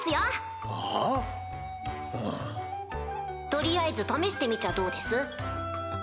取りあえず試してみちゃどうです？